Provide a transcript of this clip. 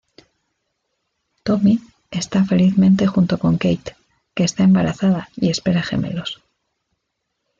Tommy está felizmente junto con Kate, que está embarazada y espera gemelos.